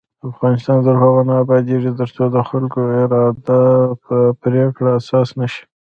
افغانستان تر هغو نه ابادیږي، ترڅو د خلکو اراده د پریکړو اساس نشي.